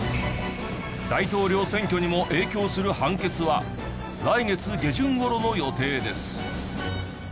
大統領選挙にも影響する判決は来月下旬頃の予定です。